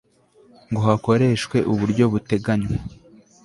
ngo hakoreshwe uburyo buteganywa